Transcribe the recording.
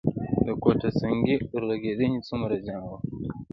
د کوټه سنګي اورلګیدنې څومره زیان وکړ؟